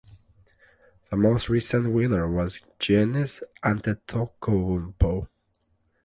The most recent winner was Giannis Antetokounmpo.